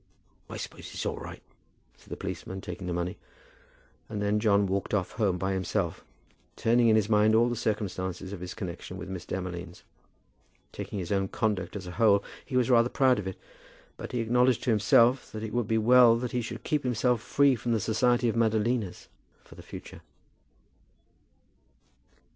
"I suppose it's all right," said the policeman, taking the money. And then John walked off home by himself, turning in his mind all the circumstances of his connection with Miss Demolines. Taking his own conduct as a whole, he was rather proud of it; but he acknowledged to himself that it would be well that he should keep himself free from the society of Madalinas for the future.